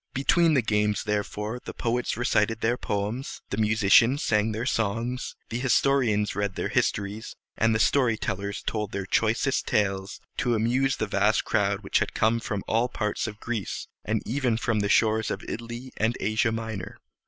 Between the games, therefore, the poets recited their poems, the musicians sang their songs, the historians read their histories, and the story tellers told their choicest tales, to amuse the vast crowd which had come there from all parts of Greece, and even from the shores of Italy and Asia Minor.